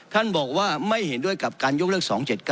ท่านบอกว่าไม่เห็นด้วยกับการยกเลิก๒๗๙